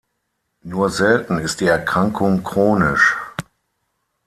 Nur selten ist die Erkrankung chronisch.